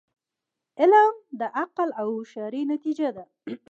علم د عقل او هوښیاری نتیجه ده.